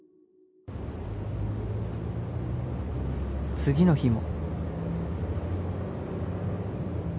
［次の日も］